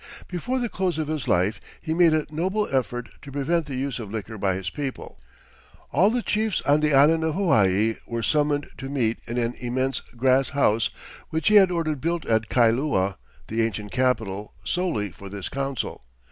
Before the close of his life, he made a noble effort to prevent the use of liquor by his people. All the chiefs on the island of Hawaii were summoned to meet in an immense grass house, which he had ordered built at Kailua, the ancient capital, solely for this council.